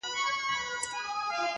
مار زخمي سو له دهقان سره دښمن سو!!